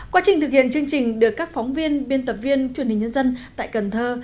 quá trình thực hiện chương trình được các phóng viên biên tập viên truyền hình nhân dân tại cần thơ